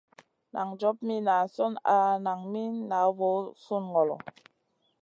Nan job mi nazion al nan mi na voo sùn ŋolo.